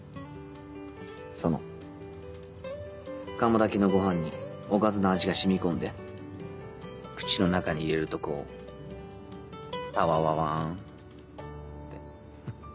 その釜炊きのご飯におかずの味が染み込んで口の中に入れるとこうたわわわんってフッ。